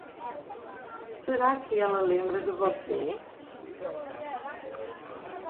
Será que ela lembra de você?